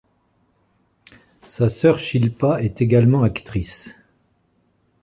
Sa sœur Shilpa est également actrice.